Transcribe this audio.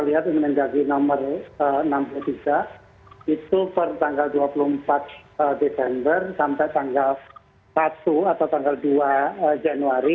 lihat inmen dagri nomor enam puluh tiga itu per tanggal dua puluh empat desember sampai tanggal satu atau tanggal dua januari